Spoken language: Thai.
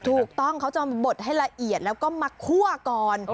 ถูกต้องเขาจะมาบดให้ละเอียดแล้วก็มาคั่วก่อน